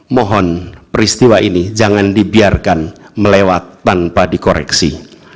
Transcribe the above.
mohon peristiwa ini jangan dibiarkan melewat tanpa dikoreksi